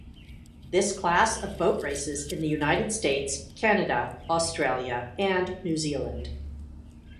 This class of boat races in the United States, Canada, Australia and New Zealand.